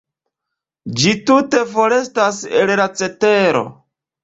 Ĝi tute forestas el la cetero.